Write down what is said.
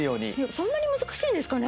そんなに難しいんですかね？